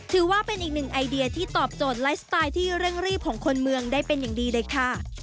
ถือว่าเป็นอีกหนึ่งไอเดียที่ตอบโจทย์ไลฟ์สไตล์ที่เร่งรีบของคนเมืองได้เป็นอย่างดีเลยค่ะ